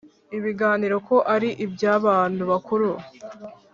ibi biganiro ko ari iby’abantu bakuru,